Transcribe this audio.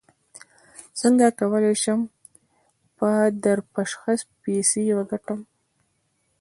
څنګه کولی شم په درپشخه پیسې وګټم